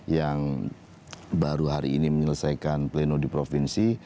yang baru hari ini menyelesaikan pleno di provinsi